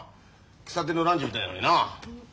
喫茶店のランチみたいなのになあ。